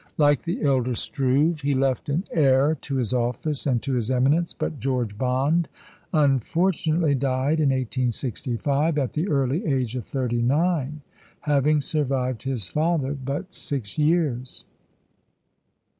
Like the elder Struve, he left an heir to his office and to his eminence, but George Bond unfortunately died in 1865, at the early age of thirty nine, having survived his father but six years.